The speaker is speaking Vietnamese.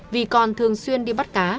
vì còn thường xuyên đi bắt